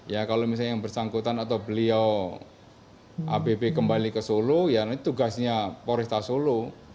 ya kalau misalnya yang bersangkutan atau beliau abb kembali ke solo ya nanti tugasnya polista solo